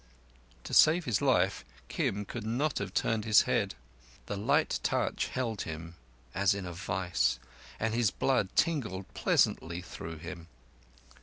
To save his life, Kim could not have turned his head. The light touch held him as in a vice, and his blood tingled pleasantly through him.